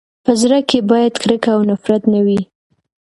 په زړه کي باید کرکه او نفرت نه وي.